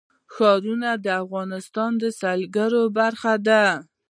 ښارونه د افغانستان د سیلګرۍ برخه ده.